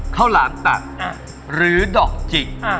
หลามตัดหรือดอกจิก